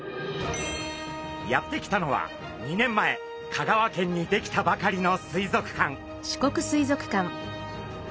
やって来たのは２年前香川県に出来たばかりの水族館。